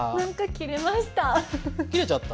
切れました。